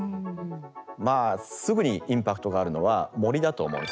まあすぐにインパクトがあるのは森だと思うんですね。